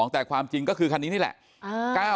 แต่ความจริงก็คือคันนี้นี่แหละ